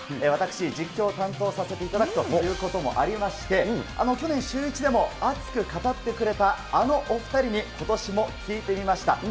私、実況担当させていただくということもありまして、去年、シューイチでも熱く語ってくれたあのお２人にことしも聞いてみました。